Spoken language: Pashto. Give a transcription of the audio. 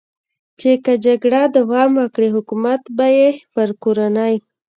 چې که جګړه دوام وکړي، حکومت به یې پر کورنۍ.